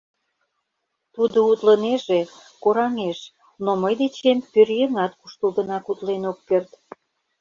Тудо утлынеже, кораҥеш, но мый дечем пӧръеҥат куштылгынак утлен ок керт.